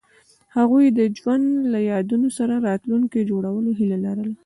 هغوی د ژوند له یادونو سره راتلونکی جوړولو هیله لرله.